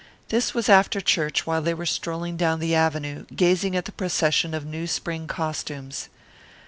This was after church while they were strolling down the Avenue, gazing at the procession of new spring costumes.